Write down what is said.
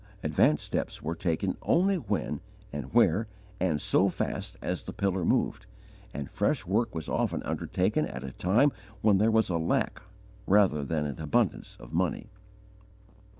Advance steps were taken only when and where and so fast as the Pillar moved, and fresh work was often undertaken at a time when there was a lack rather than an abundance of money.